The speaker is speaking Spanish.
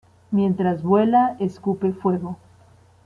Mientras vuela, escupe fuego.